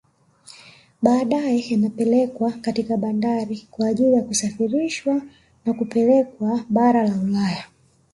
Badae yanapelekwa katika bandari kwa ajili ya kusafirishwa na kupelekwa bara la Ulaya